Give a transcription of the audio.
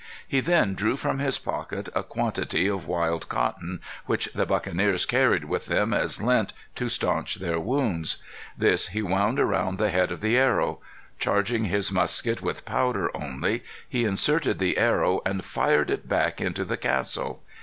He then drew from his pocket a quantity of wild cotton, which the buccaneers carried with them as lint to staunch their wounds. This he wound around the head of the arrow. Charging his musket with powder only, he inserted the arrow and fired it back into the castle.